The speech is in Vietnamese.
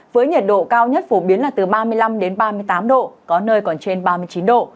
với nhiệt độ cao nhất phổ biến là từ ba mươi năm ba mươi tám độ có nơi còn trên ba mươi chín độ